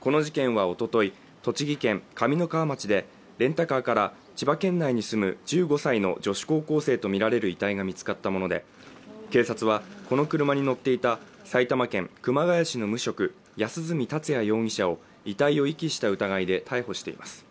この事件はおととい栃木県上三川町でレンタカーから千葉県内に住む１５歳の女子高校生とみられる遺体が見つかったもので警察はこの車に乗っていた埼玉県熊谷市の無職安栖達也容疑者を遺棄した疑いで逮捕しています